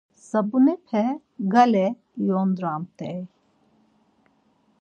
Zabunepe gale iyondramt̆ey.